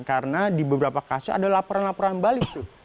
karena di beberapa kasus ada laporan laporan balik tuh